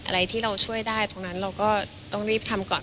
อะไรที่เราช่วยได้ตรงนั้นเราก็ต้องรีบทำก่อน